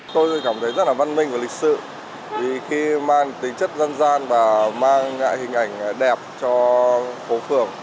tôi cảm thấy rất là văn minh và lịch sự vì khi mang tính chất dân gian và mang hình ảnh đẹp cho phố phường